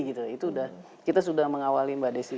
itu kita sudah mengawali mbak desi